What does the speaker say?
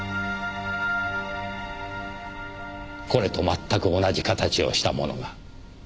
これと全く同じ形をしたものが。